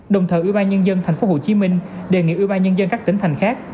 đồng thời ubnd tp hcm đề nghị ubnd các tỉnh thành khác